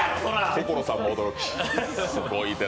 所さんも驚き。